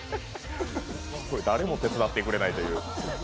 誰も手伝ってくれないという。